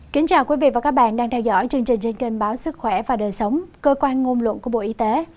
kính chào quý vị và các bạn đang theo dõi chương trình trên kênh báo sức khỏe và đời sống cơ quan ngôn luận của bộ y tế